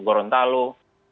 beberapa daerah daerah itu juga